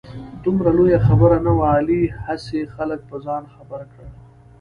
دومره لویه خبره نه وه. علي هسې خلک په ځان خبر کړ.